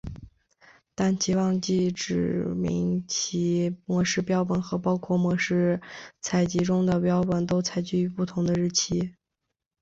但其忘记指明其模式标本和包括模式采集中的标本都采集于不同的日期。